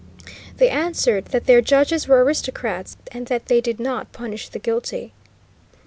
They answered that their judges were aristocrats, and that they did not punish the guilty."